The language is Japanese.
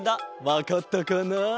わかったかな？